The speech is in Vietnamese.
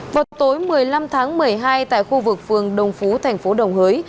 vào tối một mươi năm tháng một mươi hai tại khu vực phường đồng phú tp đồng hới